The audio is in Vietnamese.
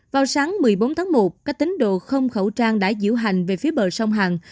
vào sáng một mươi bốn tháng một các tính đồ không khẩu trang đã diễu hành về phía bờ sông hàn